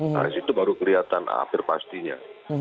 nah disitu baru kelihatan akhir pastinya